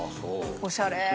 おしゃれ！